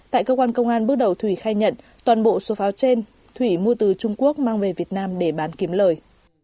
tại cơ quan công an bước đầu thủy khai nhận toàn bộ số pháo trên thủy mua từ trung quốc mang về việt nam để bán kiếm lời